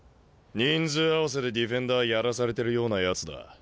人数合わせでディフェンダーやらされてるようなやつだ。